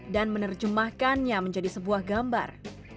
dan menerjemahkannya menjadi sebuah gambar